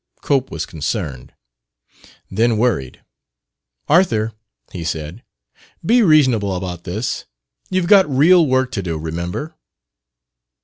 Cope was concerned; then worried. "Arthur," he said, "be reasonable about this. You've got real work to do, remember."